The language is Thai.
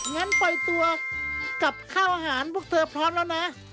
งั้นปล่อยตัวกับข้าวอาหารพวกเธอพร้อมแล้วนะ